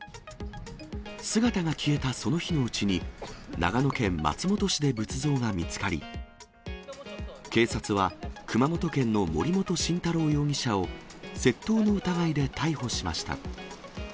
姿が消えたその日のうちに、長野県松本市で仏像が見つかり、警察は、熊本県の森本晋太郎容疑者を、窃盗の疑いで逮捕しました。